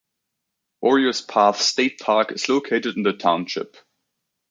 Warriors Path State Park is located in the township.